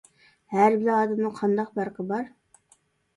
-ھەرە بىلەن ئادەمنىڭ قانداق پەرقى بار؟ .